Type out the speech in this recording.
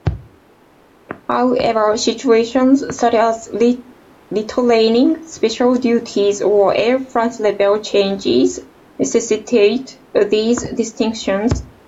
However, situations such as retraining, special duties, or Air Force-level changes necessitate these distinctions.